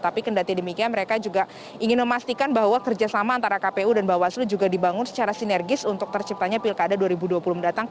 tapi kendati demikian mereka juga ingin memastikan bahwa kerjasama antara kpu dan bawaslu juga dibangun secara sinergis untuk terciptanya pilkada dua ribu dua puluh mendatang